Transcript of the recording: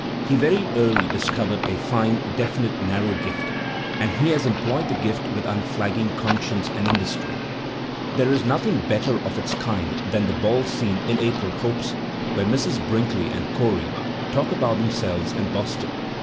He very early discovered a fine, definite narrow gift, and he has employed the gift with imflagging conscience and industry. There is nothing better of its kind than the ball scene in *' April Hopes" where Mrs. Brinkley and Corey talk about themselves and Boston.